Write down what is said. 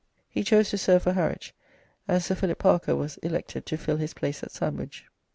He chose to serve for Harwich, and Sir Philip Parker was elected to fill his place at Sandwich.